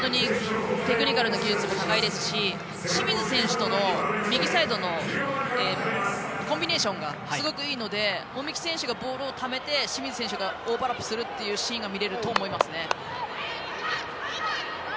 テクニカルな技術も高いですし清水選手との右サイドのコンビネーションがすごくいいので籾木選手がボールをためて清水選手がオーバーラップするシーンが見れると思いますね。